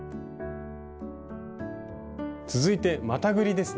続いてまたぐりですね。